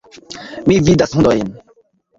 Mi vidas hundojn.